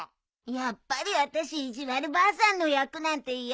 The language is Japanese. やっぱりあたし意地悪ばあさんの役なんて嫌よ。